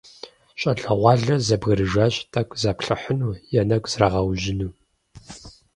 ЩӀалэгъуалэр зэбгрыжащ тӀэкӀу заплъыхьыну, я нэгу зрагъэужьыну.